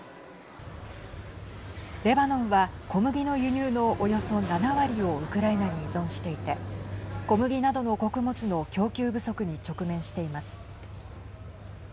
レバノンは小麦の輸入のおよそ７割をウクライナに依存していて小麦などの穀物の供給不足に直面しています。